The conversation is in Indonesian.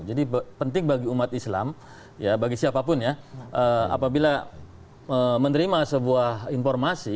jadi penting bagi umat islam bagi siapapun ya apabila menerima sebuah informasi